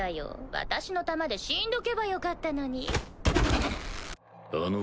私の弾で死んどけばよかったのに。